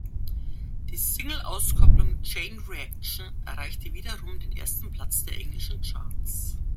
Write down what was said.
Die Single-Auskopplung "Chain Reaction" erreichte wiederum den ersten Platz der englischen Charts.